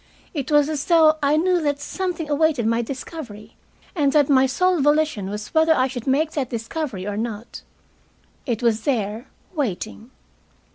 It was as though I knew that something awaited my discovery, and that my sole volition was whether I should make that discovery or not. It was there, waiting.